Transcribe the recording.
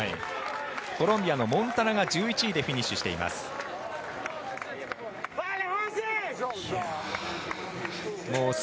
コロンビアのモンタナが１１位でフィニッシュしています。